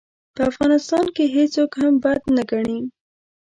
په افغانستان کې هېڅوک هم بد نه ګڼي.